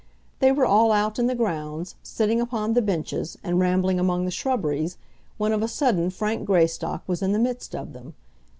They were all out in the grounds, sitting upon the benches, and rambling among the shrubberies, when of a sudden Frank Greystock was in the midst of them.